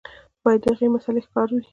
بيا د هغې مسئلې ښکار وي